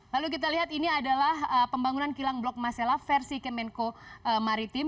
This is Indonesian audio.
lalu kita lihat ini adalah pembangunan kilang blok masela versi kemenko maritim